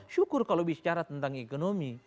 syukur kalau bicara tentang ekonomi